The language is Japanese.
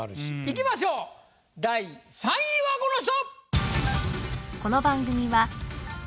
いきましょう第３位はこの人！